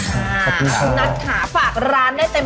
คุณนัทหาฝากร้านได้เต็มที่เลยค่ะ